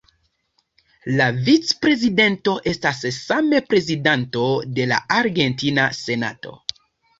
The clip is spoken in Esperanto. La vicprezidento estas same prezidanto de la argentina senato.